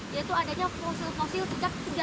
yaitu adanya fosil fosil sejak tiga ratus juta tahun lalu